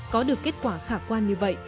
có được kết quả khả quan như vậy